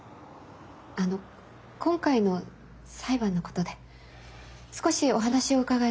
あの今回の裁判のことで少しお話を伺えたらと。